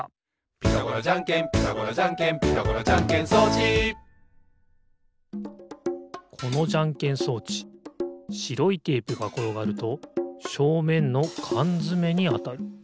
「ピタゴラじゃんけんピタゴラじゃんけん」「ピタゴラじゃんけん装置」このじゃんけん装置しろいテープがころがるとしょうめんのかんづめにあたる。